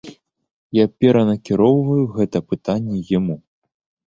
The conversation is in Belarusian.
Я перанакіроўваю гэта пытанне яму.